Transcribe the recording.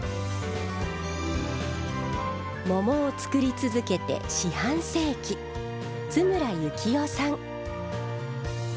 桃を作り続けて四半世紀津村幸男さん。